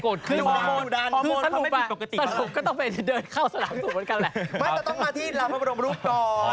ก็ต้องไปเฒิทธ์เดินเข้าสนามสุพเหมือนกันล่ะ